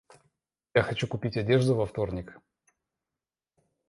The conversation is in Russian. Я хочу купить одежду во вторник.